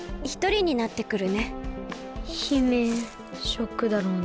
ショックだろうな。